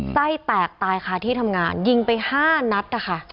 ไส้แตกตายค่ะที่ทำงานยิงไป๕นัดนะคะ